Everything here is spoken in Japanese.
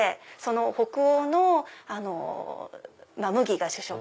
北欧の麦が主食。